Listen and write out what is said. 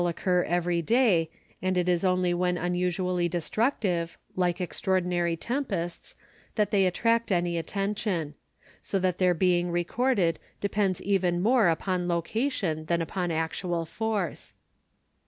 ] occur every day; and it is only when unusually destructive, like extraordinary tempests, that they attract any attention; so that their being recorded depends even more upon location than upon actual force.